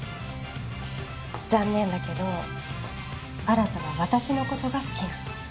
残念だけど新は私の事が好きなの。